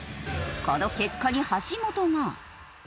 この結果に橋本が。